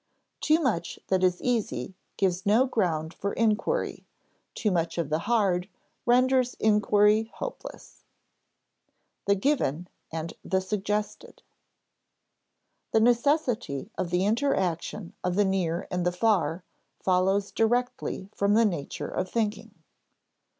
Too much that is easy gives no ground for inquiry; too much of the hard renders inquiry hopeless. [Sidenote: The given and the suggested] The necessity of the interaction of the near and the far follows directly from the nature of thinking.